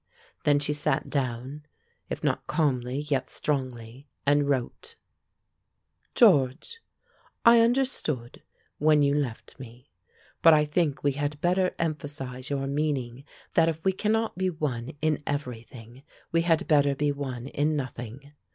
Then she sat down, if not calmly yet strongly, and wrote: "GEORGE: I understood when you left me. But I think we had better emphasize your meaning that if we cannot be one in everything we had better be one in nothing.